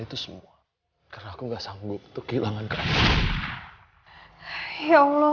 itu semua kerag moistur sanggup terkirakan karena you are problematic that halo tolong aku